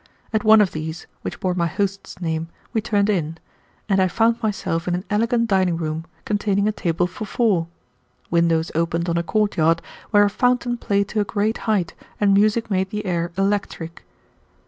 At one of these, which bore my host's name, we turned in, and I found myself in an elegant dining room containing a table for four. Windows opened on a courtyard where a fountain played to a great height and music made the air electric.